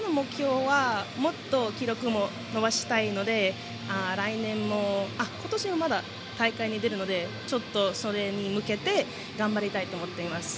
もっと記録も伸ばしたいので今年もまだ大会に出るのでそれに向けて頑張りたいと思っています。